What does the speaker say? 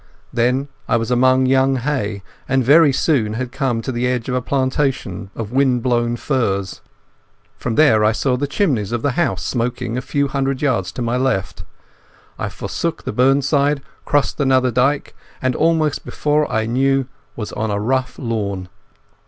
Then I was among young hay, and very soon had come to the edge of a plantation of wind blown firs. From there I saw the chimneys of the house smoking a few hundred yards to my left. I forsook the burnside, crossed another dyke, and almost before I knew was on a rough lawn.